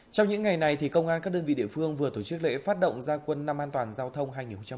trong những ngày này công an các đơn vị địa phương vừa tổ chức lễ phát động gia quân năm an toàn giao thông hai nghìn hai mươi bốn